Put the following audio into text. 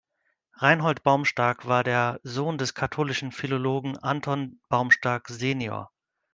Reinhold Baumstark war der Sohn des katholischen Philologen Anton Baumstark sen.